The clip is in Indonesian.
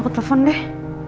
aku telfon deh